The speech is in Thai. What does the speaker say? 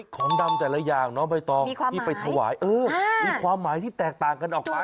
ของดำแต่ละอย่างน้องใบตองที่ไปถวายเออมีความหมายที่แตกต่างกันออกไป